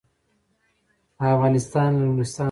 افغانستان له نورستان ډک دی.